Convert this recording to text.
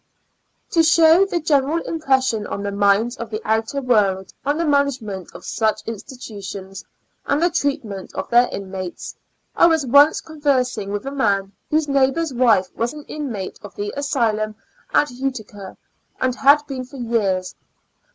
8 Preface, To show the general impression on the minds of the outer world on the management of such institu tions, and the treatment of their inmates, I was once conversing with a man whose neighbor's wife was an inmate of the Asylum at Utica, and had been for years.